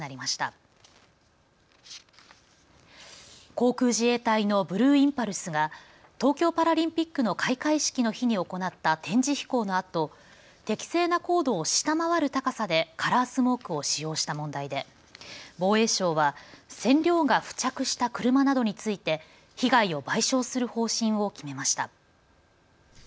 航空自衛隊のブルーインパルスが東京パラリンピックの開会式の日に行った展示飛行のあと適正な高度を下回る高さでカラースモークを使用した問題で防衛省は染料が付着した車などについて被害を賠償する方針を決めました。